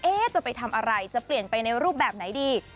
จะไปทำอะไรจะเปลี่ยนไปในรูปแบบไหนดี